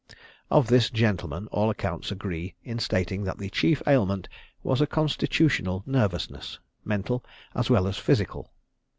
Of this gentleman all accounts agree in stating that the chief ailment was a constitutional nervousness, mental as well as physical.